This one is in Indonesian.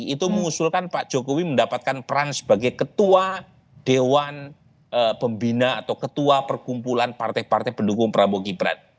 itu mengusulkan pak jokowi mendapatkan peran sebagai ketua dewan pembina atau ketua perkumpulan partai partai pendukung prabowo gibran